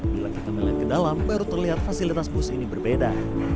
bila kita melihat ke dalam baru terlihat fasilitas bus ini berbeda